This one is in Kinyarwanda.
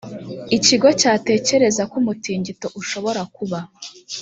ikigo cyatekereza ko umutingito ushobora kuba .